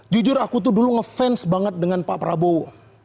jujur aku tuh dulu ngefans banget dengan pak prabowo